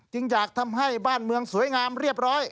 อยากทำให้บ้านเมืองสวยงามเรียบร้อย